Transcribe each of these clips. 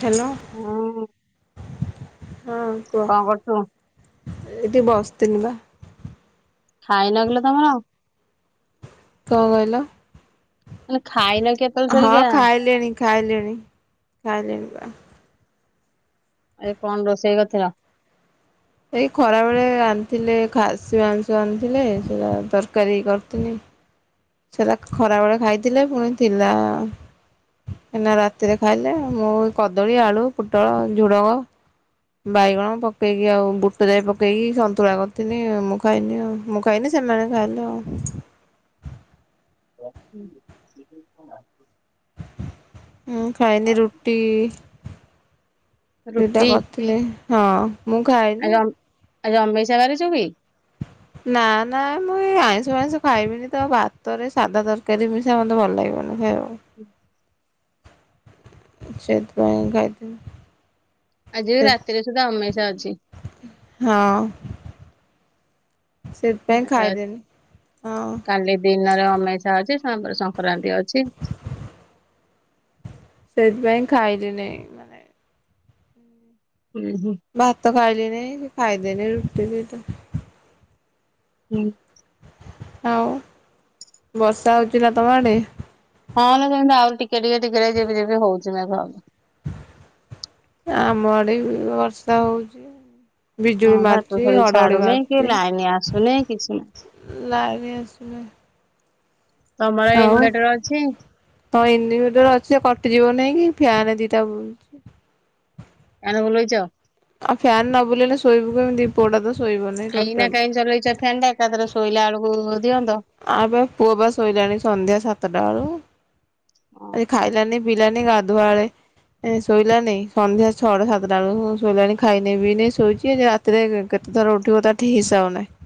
Hello, ହୁଁ ହଁ। କଣ କରୁଛୁ? ଏଇଠି ବସିଥିଲି ବା। ଖାଇନ କିଲୋ ତମର? କଣ କହିଲ? ମୁଁ କହିଲି ଖାଇନ କି ଏତବେଳ ହଁ ସାରିକା? ଖାଇଲିଣି ଖାଇଲିଣି, ଖାଇଲିଣି ବା। ଆଜି କଣ ରୋଷେଇ କରିଥିଲ? ଏଇ ଖରାବେଳେ ଆଣିଥିଲେ ଖାସି ମାଂସ ଆଣିଥିଲେ, ସେଇଟା ତରକାରୀ କରିଥିନି ସେଇରା ଖରାବେଳେ ଖାଇଥିଲେ, ପୁଣି ଥିଲା ଏଇନା ରାତିରେ ଖାଇଲେ। ଆଉ ମୁଁ କଦଳୀ, ଆଳୁ, ପୋଟଳ, ଝୁଡଙ୍ଗ ବାଇଗଣ ପକେଇକି ଆଉ ବୁଟ ଜାଇ ପକେଇକି ସନ୍ତୁଳା କରିଥିନି, ମୁଁ ଖାଇନି ଆଉ। ମୁଁ ଖାଇନି ସେମାନେ ଖାଇଲେ ଆଉ। ହୁଁ। ମୁଁ ଖାଇନି ରୁଟି ଦିଟା ରୁଟି କରିଥିଲି। ହଁ, ମୁଁ ଖାଇନି ଆଜି ଅ ଆଜି ଅମେଇସିଆ କରିଚୁ କି? ହଁ ନା ନା, ମୁଁ ଏଇ ଆଇଁଷ ଫାଇଁଷ ଖାଇବିନି ତ, ଭାତରେ ସାଧା ତରକାରୀ ମିଶା ମୋତେ ଭଲ ଲାଗିବନି ଖାଇବାକୁ। ହୁଁ। ମୁଁ ସେଇଥିପାଇଁ ଖାଇଥିଲି। ଆଜି ବି ସେ ରାତିରେ ସୁଦ୍ଧା ଅମେଇସିଆ ଅଛି। ହଁ। ସେଥିପାଇଁ ଆଚ୍ଛା, ଖାଇଦେନି, ହଁ। କାଲି ଦିନରେ ଅମେଇସିଆ ଅଛି, ସାପରେ ସଂକ୍ରାନ୍ତି ଅଛି ସେଇଥିପାଇଁ ଖାଇଲିନେଇଁ। ହୁଁ ହୁଁ। ଭାତ ଖାଇଲିନେଇଁ ସେଇ ଖାଇଦେଲି ରୁଟି ଦିଟା। ହୁଁ। ଆଉ, ବର୍ଷା ହଉଛି ନା ତମ ଆଡେ? ହଁ ଲୋ ସେମତି ଆହୁରି ଟିକେ ଟିକେ ଟିକେ ଝିପି ଝିପି ହଉଛି ମେଘ। ଆମ ଆଡେ ବି ବର୍ଷା ହଉଛି ଯେ ହଁ ବିଜୁଳି ଭାତ ମାରୁଚି, ସରି ଘଡଘଡି ଛାଡୁନି କି ମାରୁଚି ଲାଇନ ଆସୁନି କିଛି ନାହିଁ। ଲାଇନ୍ ଆସୁନାହିଁ। ତମର ଇନଭେଟର ଅଛି? ହଁ ଇନ୍ଡିଭେଟର ଅଛି ଯେ କଟିଯିବ ନାଇଁ କି, ଫ୍ୟାନ୍ ଦିଟା ବୁଲୁ ଫ୍ୟାନ ବୁଲେଇଚ? ଆଉ ଫ୍ୟାନ୍ ନ ବୁଲେଇଲେ ଶୋଇବୁ କେମିତି? ପୁଅଟା ତ ଶୋଇବନି। ଏଇନା ଟୋଟାଲି। କାହିଁ ଚଲେଇଛ ଫ୍ୟାନଟା, ଏକାଥରେ ଶୋଇଲା ବେଳକୁ ଦିଅନ୍ତ। ଆବେ ପୁଅ ବା ଶୋଇଲାଣି ସନ୍ଧ୍ୟା ସାତଟା ବେଳୁ ଆଜି ଖାଇଲାନି ପି ଲାନି ଗାଧୁଆବେଳେ। ଏ ଶୋଇଲାନି ସନ୍ଧ୍ୟା ଛଅଟା ସାତଟା ବେଳୁ ଶୋଇଲାଣି ଖାଇନି ପିଇନି ଶୋଇଛି [unintelligible] [unintelligible] କେତେ ଥର ଉଠିବ ତାଠି ହିସାବ ନାହିଁ।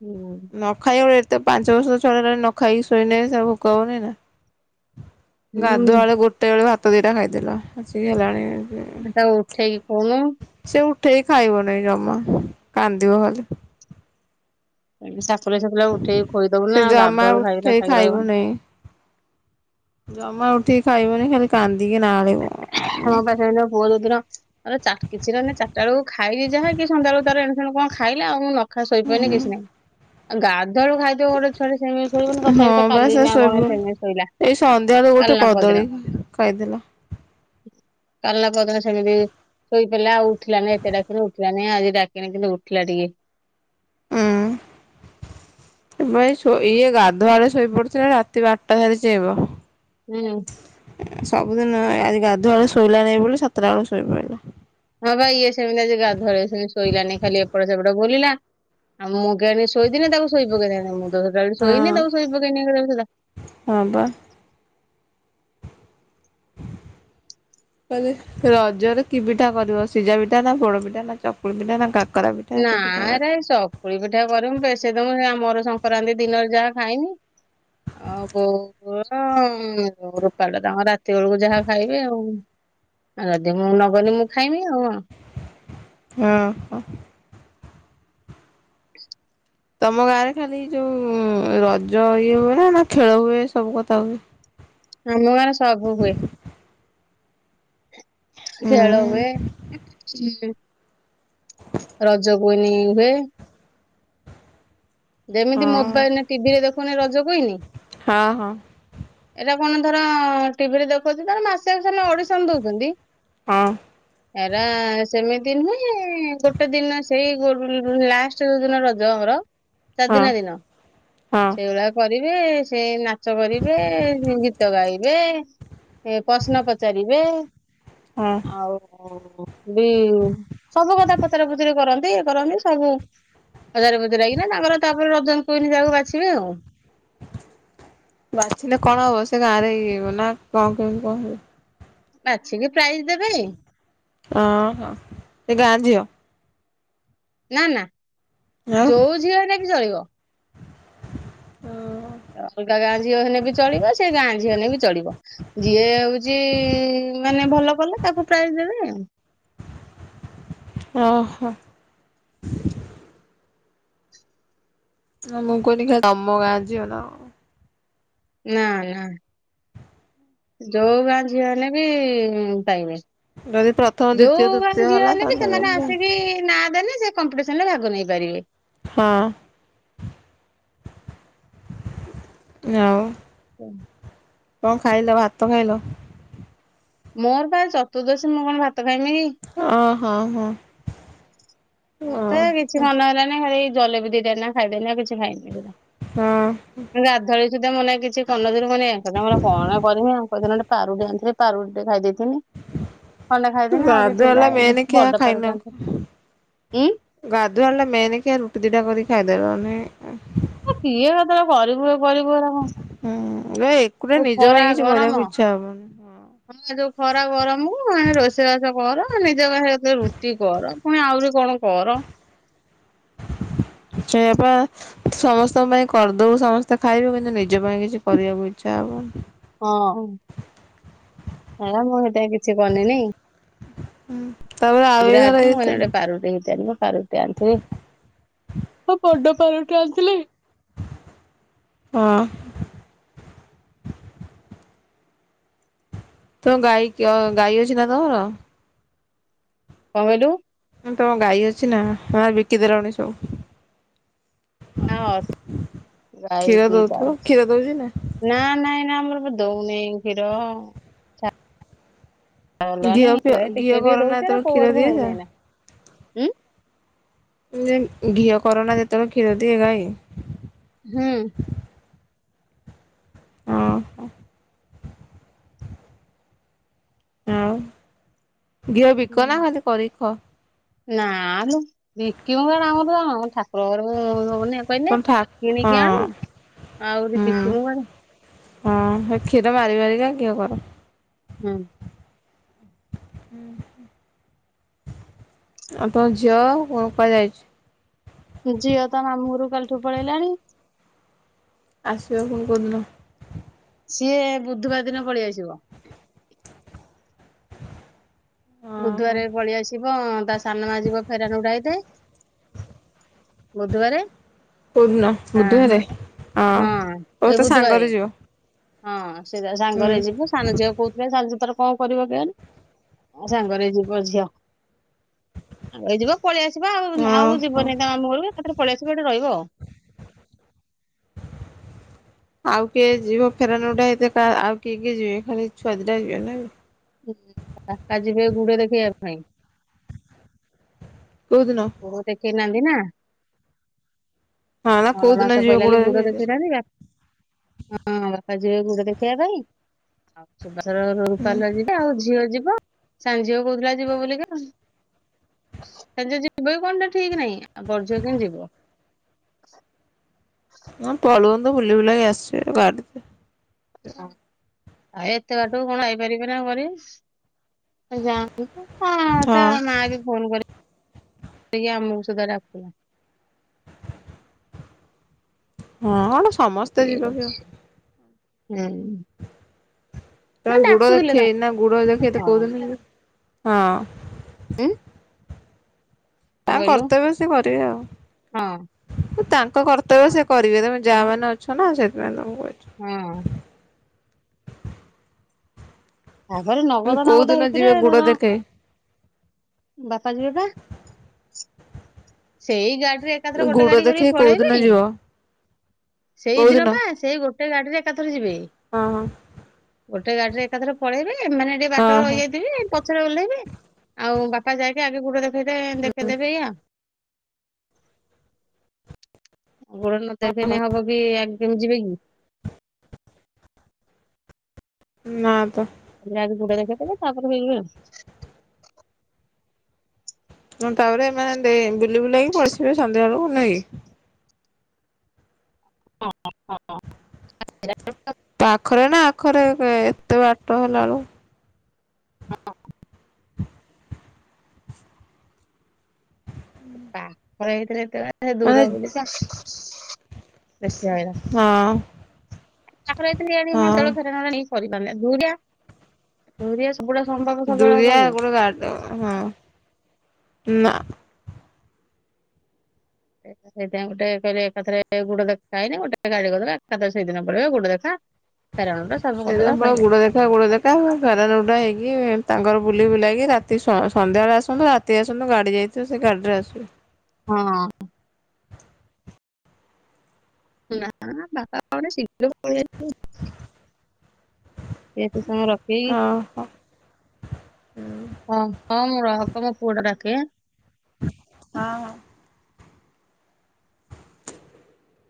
ହୁଁ। ନ ଖାଇବ ଏତେ ପାଞ୍ଚ ବର୍ଷ ଛଡ ନ ଖାଇ ଶୋଇନ ସବୁ କଉନି ନା ହୁଁ ଗାଧୁଆ ବେଳେ ଗୋଟେ ବେଳକୁ ଭାତ ଦିଟା ଖାଇଦେଲ ଆସିକି ହେଲାଣି ଆ ତାକୁ ଉଠେଇକି କହୁନୁ। ସେ ଉଠେଇ ଖାଇବନି ଜମା କାନ୍ଦିବ ହେଲେ ସାପୁଲି ସାଆ ଉଠେଇି ଖୋଇଦବୁ ସେ ନା ଜମା ଗାଧୁଆଳୁ ଖାଇକ ଉଠେଇ ଖାଇକ ଖାଇବ ରହିବ ନା ନାହିଁ। ଜମା ଉଠିକି ଖାଇବନି ଖାଲି କାନ୍ଦିକି [unintelligible] [unintelligible] [unintelligible] କିଛି ରହେ ଚାରିଟା ବେଳକୁ ଖାଇଲି ଯାହାକି ସନ୍ଦ୍ୟା ବେଳକୁ ତାର ଏଣୁ ସେଣୁ କଣ ଖାଇଲା ଆଉ ଖା ଶୋଇପଇଲେ ହୁଁ କିଛି ନାହିଁ ଆଉ ଗାଧୁଆ ବେଳୁ ଖାଇ ତୁ ଗୋଟେ ଛୁଆଟେ ସେମିତି ଶୋଇବନି ତଥାପି ତ ହଁ ବା କାଲି ସେ ନା ଶୋଇବ କଣ ସେଇତି ଶୋଇଲା। ଏଇ ସନ୍ଧ୍ୟାରେ କାଲି ଗୋଟେ ନା କଦଳୀ ଖାଇଥିଲା। କାଲା କଦଳୀ ଛାଡ଼ିବେ। ଶୋଇ ପଇଲା ଆଉ ଉଠିଲାନି ଏତେ ଡାକିଲୁ ଉଠିଲାନି ଆଜି ଡାକିନି କିନ୍ତୁ ଉଠିଲା ଟିକେ। ଭାଇସୋଇ ଇଏ ଗାଧୁଆବେଳେ ଶୋଇପଡୁଥିଲା ରାତି ବାରଟାରେ ଚେଇଁବ। ହୁଁ। ସବୁଦିନ ଆଜି ଗାଧୁଆବେଳେ ଶୋଇଲା ନାହି ବୋଲି ସାତଟା ବେଳ ଶୋଇ ପଡ଼ିଲା। ହଁ ପା ଇଏ ସେମିତି ଆଜି ଗାଧୋଇ ସେମିତି ଶୋଇଲାନି ଖାଲି ଏପଟେ ସେପଟ ବୁଲିଲା ଆଉ ମୁଁ କହିଲି ଶୋଇଦିନେ ତାକୁ ଶୋଇ ପକେଇଥାନ୍ତି ମୁଁ ତ ଟୋଟାଲି ଶୋଇନି ହଁ ତାକୁ ଶୋଇ ପକେଇନି [unintelligible] ହଁ ବା। କହିଲେ ରଜରେ କି ପିଠା କରିବ ସିଝା ପିଠା ନା ପୋଡ ପିଠା ନା ଚକୁଳି ପିଠା ନା କା ନାରେ ଚକୁଳି ପିଠା କରିବି ବେଶୀ ଦବୁ ଆମର ସଂକ୍ରାନ୍ତି ଦିନରେ ଯାହା ଖାଇମି। ଆଉ ବୋଉ [unintelligible] ରୂପାଳ ତ ରାତି ବେଳକୁ ଯାହା ଖାଇବି ଆଉ। ଉ ଯଦି ମୁଁ ନଗଲି ମୁଁ ଖାଇବି ଆଉ। ହଁ ହ। ହ ତମ ଗାଁ ରେ ଖାଲି ଯୋଉ ରଜ ଇଏ ହୁଏ ନା ଖେଳ ହୁଏ ସବୁ କଥା ହୁଏ? ଆମ ଗାଁରେ ସବୁ ହୁଏ। ଖେଳ ହୁଁ ହୁଏ [unintelligible] ରଜ କୁଇନି ହୁଏ। ଯେମିତି ହଁ ମୋବାଇଲ ଟିଭି ରେ ଦେଖନି ରଜକୁଇନି ହଁ ହଁ ଏଇଟା କଣ ଧର ଟିଭିରେ ଦେଖଉଛି ଧ ମାସଆ ଅଡିସନ ଦଉଛନ୍ତି। ହଁ। ଏରା ସେମିତି ନୁହେଁ ଗୋଟେ ଦିନ ସେଇ ଲାଷ୍ଟ ଯୋଉ ଦିନ ରଜ ଆମର ତା ଦିନ ହଁ ଦିନ ହଁ ସେଇଭଳିଆ କରିବେ ସେଇ ନାଚ କରିବେ ଗୀତ ଗାଇବେ। ସେ ପ୍ରଶ୍ନ ପଚାରିବେ ହଁ ଆଉ ଓ [unintelligible] ସବୁ କଥା ପଚରା ପଚରି କରନ୍ତି ଇ କରନ୍ତି ସବୁ। ହଜାରେ ବଜାର ଆଇନା ତାପରେ ତାପରେ ରଜ କୁଇନି ଯାକୁ ବାଛିବେ ଆଉ। ବାଛିଲେ କଣ ହବ ସେ ଗାଁ ରେ ହେଇଯିବ ନା କଣ କେମିତି କଣ ହବ? ବାଛିକି ପ୍ରାଇଜ୍ ଦେବେ। ଓ ହୋ ସେ ଗାଁ ଝିଅ ନା ନା ଯୋଉ ଝିଅଟେ ବି ଚଳିବ। ହଁ। ଅଲଗା ଗାଁ ଝିଅ ହେଲେ ବି ଚଳିବ ସେ ଗାଁ ଝି ହେଲେ ବି ଚଳିବ। ଯିଏ ହଉଛି ମାନେ ଭଲ କଲେ ତାକୁ ପ୍ରାଇଜ ଦେବେ ଆଉ ଓହୋ। ହଁ ମୁଁ କହଲି ଖାଲି ତମ ଗାଁ ଝିଅ ନା କଣ। ନାଇ ନାଇ ଯୋଉ ଗାଁ ଝିଅ ହେଲେ ବି ପାଇବେ। ଯଦି ପ୍ରଥମ ଦ୍ଵିତୀୟ ତୃତୀୟ ଯୋଉମାନେ ଝିଅ ହେଲା ହେଲେ ବି ତାହେଲେ ସେମାନେ ଯାଇକି ଆସିକି ନା ଦେଲେ ସେ କମ୍ପିଟିସନ ରେ ଭାଗ ନେଇପାରିବେ। ହଁ ଆଉ ହୁଁ। କଣ ଖାଇଲ ଭାତ ଖାଇଲ? ମୋର ପା ଚତୁର୍ଦ୍ଦଶୀ ମୁଁ କଣ ଭାତ ଖାଇମିକି କି? ଓ ହୋ ହୋ। ମତେ କିଛି ମନ ହେଲାନ ଖାଲି ଜଲେବି ଦିଟା ଖାଇଦେଲି କିଛି ଖାଇନି ହଁ। ଗାଧୁଆବେଳେ ସୁଧା ମୋ ନାଗି କିଛି କରି ନଥିଲି ମୋ ଲଗି କଣ କରିବି ଆ ପାରୁଟି ଆଣିଥିଲେ ଟିକେ ପାରୁଟି ଖାଇ ଦେଇଥିଲି ଖଣ୍ଡେ ଖାଇଦେନି ଗାଧୁଆଳ ଆହୁରି ଥିଲା ବେଳେ ମେନ୍ ଖିଆ ବଡ ପାରୁଟି ଟେ ଆଣିଥିଲେ ହୁ ଗାଧୁଆଣିଲା ମେନ କିଆ ରୁଟି ଦିଟା କରି ଖାଇଦେମ [unintelligible] କିଏ କେତେବେଳେ କରିବୁ କରିବୁ ଏରା କଣ ହୁଁ ଏ ଏକୁଟିଆ ଯୋଉ ନିଜ ଖରା ପାଇଁ କିଛି ଗରମ କରିବାକୁ ଇଚ୍ଛା ହବନି। ହଁ ଯୋଉ ଖରା ଗରମକୁ ଏଣେ ରୋଷେଇ ବାସ କର ନିଜ ପାଇଁ ରୁଟି କର। ପୁଣି ଆହୁରି କଣ କର ସେଇଆପା ସମସ୍ତଙ୍କ ପାଇଁ କରିଦବୁ ସମସ୍ତେ ଖାଇବୁ କିନ୍ତୁ ନିଜ ପାଇଁ କିଛି କରିବାକୁ ଇଚ୍ଛା ହବନି ହଁ ହେରା ମୁଁ ହେତା କିଛି କନିନି ହୁଁ। ଯା ହାଟକୁ [unintelligible] ଗୋଟେ ପାରୁଟି ଘିତିଆନିବ ପାରୁ ଆଣିଥିଲି ହଁ ବଡ଼ପାରଠୁ ଆଣିଥିଲେ ହଁ। ତମ ଗାଈ କିଅ ଗାଈ ଅଛି ନା ତମର? କଣ କହିଲୁ ତମ ଗାଈ ଅଛିନା ନା ବିକିଦେଲାଣି ସବୁ ନା ଗାଈ ଖୀର ଦିଟା ଦଉଥିବ ଖୀର ଦଉଛି ନା? ନା ନାଇଁ ନା ଆମର ପା ଦଉନି କ୍ଷୀର ଗଲାଣି ଘିଅ ଫିଅ ଟିକେ ଘିଅ ଟିକେ କରନା ଦଉଛି ଏରା ଜେତବେଳେ କୋଉ କ୍ଷୀର ଆଡକୁ ଦିଏ ହଉନି ଯା ଏଇନା ଯେ ଘିଅ କରନା ଯେତେବେଳେ କ୍ଷୀର ଦିଏ ଗାଇ? ହୁଁ। ହଁ ପା ଆଉ ଘିଅ ବିକ ହୁଁ। ନା ଖାଲି [unintelligible] କରିକି ଖ ନା ଲୋ ବିକିମ କଣ ଆମର ପା ଠାକୁର ଘରକୁ ହଉନି କହିଲେ ତମ ଠା କିଣିକି ଆଣୁ ହଁ ଆହୁରି ହୁଁ। ବିକିବ କୁଆଡେ ହଁ ସେ କ୍ଷୀର ମାରିି ମାରିବାରିକା ଘିଅ କରୁ ହୁଁ। ହୁଁ। ଆପଣଙ୍କ ଝିଅ କଣ କୁଆଡ଼େ ଯାଇଛି? ଝିଅ ତା ମାମୁଁ ଘରକୁ କାଲିଠୁ ପଳେଇଲାଣ। ଆସିବ ପୁଣି କୋଉଦିନ ସିଏ ବୁଧବାର ଦିନ ପଳେଇ ଆସିବ। ଓହୋ ବୁଧବାର ପଳିଆସ ଯିବ ତା ସାନମା ଯିବ ଫେରାନ ଉଡାଇଥା ବୁଧବାର କୋଉଦିନ ତ ବୁଧବାରେ ହଁ ଓ ଏ ତୋ ବୁଧବାରେ। ସାଙ୍ଗରେ ଯିବ ହଁ ସେଟା ହୁଁ ସାଙ୍ଗରେ ଯିବୁ ସାନ ଝିଅ କହୁଥିଲେ ସାନ ଝିଅ ତର କଣ କରିବ କେଜାଣି। ଆଉ ସାଙ୍ଗରେଇ ଯିବ ଝିଅ ସାଙ୍ଗ ହେଇ ଯିବ ପଳେଇଆ ଆସିବା ଆଉ ଆଉ ଓହୋ। ଯିବନି ତା ମାମୁ ଘରକୁ ଏକାଥରେ ପଳେଇ ଆସିବେ ଏଇଠି ରହିବ। ଆଉ କିଏ ଯିବ ଫେରାନ ଟା ଏତେ ଆଉ କିଏ କିଏ ଯିବେ ଖାଲି ଛୁଆ ଦିଟା ଯିବ ନା। ବାପା ଜିିବ ଗୁଡେ ଦେଖେଇବା ପାଇଁ। କୋଉଦିନ। ଦେଖେଇନାହାନ୍ତି ନା? ହଁ ନା କୋଉ ମଳ ଦିନ ମାସ ଯିବେ ପଇଲା କୋଉଟା ବୋଲି ଗୁଡ ହୁଁ ଦେଖେଇନାହାନ୍ତି ବ ହଁ ବାପା ଯିବେ ଗୁଡ଼ ଦେଖେଇବା ପାଇଁ। ସୁବାସର ରୂପାଲିର ଯିବେ ଆଉ ଝିଅ ଯିବ। ସାଞଝିଅ କହୁଥିଲା ଯିବ ବୋଲିକା ସାନ୍ ଜି ଯିବ କଣ ଟା ଠିକ ନାଇଁ ଆଉ ବଡଝିଅ ଯିବ। ହଁ ହଁ ତଳ ଗନ୍ଧ ବୁଲି ବିଲା ଆସବେ ଗାଡ଼ି ଏତେ ବାଟକୁ କଣ ଆଇପାରିବେ ନା ଘରେ ସେ ଯା ହଁ ତା ମା ବି ଫୋନ କରି ସେ ଆମକୁ ସୁଧା ଡାକୁ ହଁ କଣ ସମସ୍ତେ ଯିବ ହୁଁ। କେ ନା ଗୁଡ ଡାକୁଥିଲେ ଦେଖେ ଏନା ଗୁଡ ଦେଖେ ତ ତାଙ୍କର କଉିନ ହଁ। ଉଁ। କଣ ତାଙ୍କ କହିଲୁ କର୍ତ୍ତବ୍ୟ ସେ କରିବେ ହଁ ଆଉ। ତାଙ୍କ କର୍ତ୍ତବ୍ୟ ସେ କରିବେ ତମେ ଯା ମାନେ ଅଛ ଛ ନା ସେତେ ଦ କହୁଛୁ। ହୁଁ। ତାପରେ ନଗଦ କୋଉ ନଗଦ ଦିନ ହେଇଥିରେ ଯିବେ ଗୁଡ ଧର ଦେଖେଇ ବାପା ଯଝିିବ ପା। ସେଇ ଗାଡିରେ ଏକାଥରେ ଗୋଟେ ଗୁଡ ଗାଡି କରିକି ଦେଖେଇ କୋଉ ଦିନ ପଳେଇବି ଯିବ କୋଉ ସେଇଦିନ ଦିନ? ପା ସେଇ ଗୋଟେ ଗାଡିରେ ଏକାଥର ଯିବେ। ହଁ ହଁ। ଗୋଟେ ଗାଡିରେ ଏକାଥର ପଳେଇବେ ମାନେ ଟିକେ ବାଟରେ ହଁ ହଁ ରହିଯାଇଥିବେ ପଛରେ ଓହ୍ଲେଇବି ଆଉ ବାପା ଯାଇକି ଆଗେ ଗୋଟେ ଦେଖେଇ ଦେଖେଇଦେବେ ଏୟା। ଗୋଡ ନତେ ଖନି ହବ କି ଆଗ କେମ ଯିବେ କି? ନା ତ। ଯାଇକି ଗୁଡା ଦେଖେଇଦେଲେ ତାପରେ ମୁଁ ତାପରେ ଏ ବୁଲି ବୁଲେଇକି ପଳେଇିବେ ସନ୍ଧ୍ୟାବେଳକୁ ନାଇକି। [unintelligible] ତା ପାଖରେ ନା ଆଖରେ ଏତେ ବାଟ ହେଲାଆବଳୁ। ପା ଖରେ ହେଇଥିଲେ ଏତେ ସେ ମାନେ ଦୂର ବୋଲିିକ ବେଶି [unintelligible] ହଁ [unintelligible] ସବୁଡା ହଁ ସମ୍ପର୍ବ ସବୁବେଳଳେ ଦୁରିଆ କରିବ। ଗୋଟେ ଗାଡି ହଁ ନା। ସେଇଥିାଇଁ ଗୋଟେ କହିଲେ ଏକାଥରେ ଗୋଡ ଦେଖା ହେଇନି ଗୋଟେ ଗାଡି କରିଦବା ଏକାଥରେ ସେଇଦିନ ପଡ ଗୋଡ ଦେଖା କରଣ [inaudible] ସେଇ ଗୁଡ ଦେଖ ଗୁଡ ଦେଖା ଘରାନ ଉଡ଼ା ହେଇକି ତାଙ୍କର ବୁଲି ବୁଲେଇକି ରାତି ସ ସନ୍ଧ୍ୟାବେଳେ ଆସନ୍ତୁ ରା କେତ ଆସନ୍ତୁ ଗାଡ଼ି ଯାଇଥିବୁ ସେ ଗାଡ଼ି ରେ ଆସିବି। ହଁ। [inaudible] ସେଥି ସମୟ ରଖେଇ ଓହୋ। ହୁଁ ଓ ହଁ ମୁଁ ରହକ ମୋ ପୁଅ ଟା ଡାକେ। ହଁ ହ।